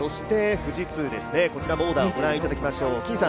富士通ですね、こちらもオーダーをご覧いただきましょう。